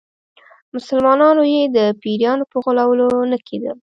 مسلمانانو یې د پیرانو په غولولو نه کېدل.